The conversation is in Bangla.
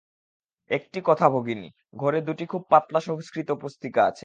একটি কথা ভগিনী, ঘরে দুটি খুব পাতলা সংস্কৃত পুস্তিকা আছে।